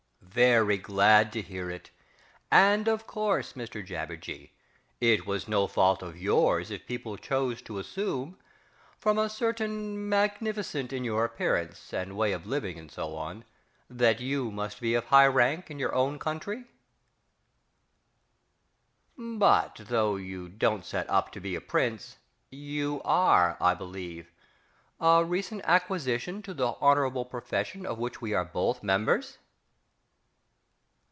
Very glad to hear it. And of course, Mr JABBERJEE, it was no fault of yours if people chose to assume, from a certain magnificence in your appearance and way of living and so on, that you must be of high rank in your own country?... But, though you don't set up to be a Prince, you are, I believe, a recent acquisition to the honourable profession of which we are both members?...